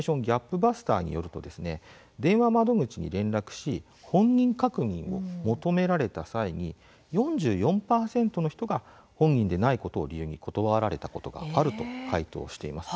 バスターによると電話窓口に連絡し本人確認を求められた際に４４％の人が本人でないことを理由に断られたことがあると回答しています。